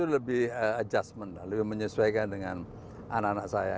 lebih adjustment lebih menyesuaikan dengan anak anak saya